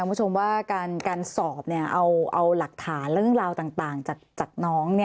คุณผู้ชมว่าการสอบเอาหลักฐานเรื่องราวต่างจากน้อง